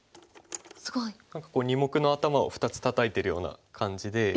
すごい。何か２目の頭を２つタタいてるような感じで。